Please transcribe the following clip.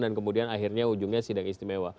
dan kemudian akhirnya ujungnya sidang istimewa